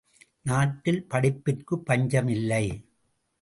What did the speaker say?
நாட்டில் படிப்பிற்குப் பஞ்சமில்லை.